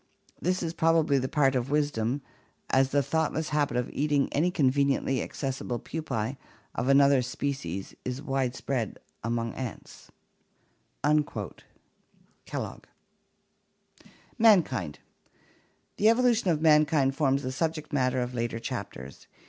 This is probably the part of wisdom, as the thoughtless habit of eating any conveniently accessible pupae of another species is wide spread among ants" (Kellogg). Mankind The evolution of mankind forms the subject matter of later chapters.